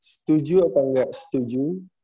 setuju atau nggak setuju